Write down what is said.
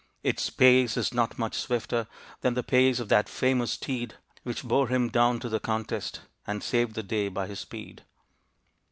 Its pace is not much swifter Than the pace of that famous steed Which bore him down to the contest And saved the day by his speed.